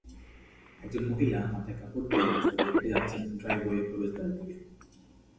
একজন মহিলা মাথায় কাপড় দিয়ে রাস্তা দিয়ে হেঁটে যাচ্ছেন ড্রাইভওয়ে প্রবেশদ্বারের দিকে।